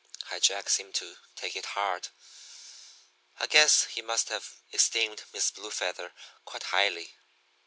"High Jack seemed to take it hard. I guess he must have esteemed Miss Blue Feather quite highly.